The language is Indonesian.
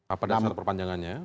apa dasar perpanjangannya